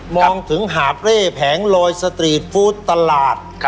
มองถึงหาบเร่แผงลอยสตรีทฟู้ดตลาด